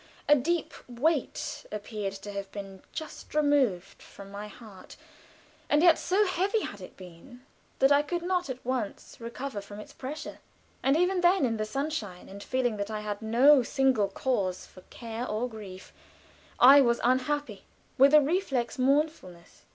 A deep weight appeared to have been just removed from my heart, and yet so heavy had it been that I could not at once recover from its pressure; and even then, in the sunshine, and feeling that I had no single cause for care or grief, I was unhappy, with a reflex mournfulness.